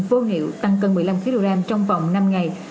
vô hiệu tăng gần một mươi năm kg trong vòng năm ngày